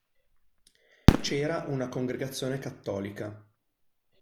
C'era una congregazione cattolica.